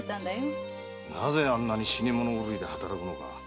なぜあんなに死にものぐるいで働くのか。